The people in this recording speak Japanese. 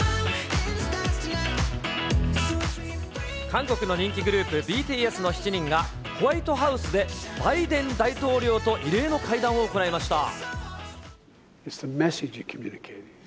韓国の人気グループ、ＢＴＳの７人が、ホワイトハウスでバイデン大統領と異例の会談を行いました。